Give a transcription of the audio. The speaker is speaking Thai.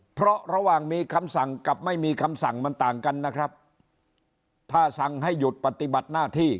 เพราะระหว่างมีคำสั่งกับไม่มีคำสั่งมันต่างกันนะครับถ้าสั่งให้หยุดปฏิบัติหน้าที่